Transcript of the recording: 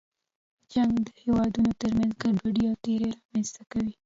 جنګ د هېوادونو تر منځ ګډوډي او تېرې رامنځته کوي.